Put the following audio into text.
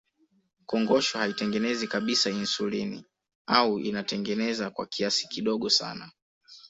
Kongosho haitengenezi kabisa insulini au inatengeneza kwa kiasi kidogo sana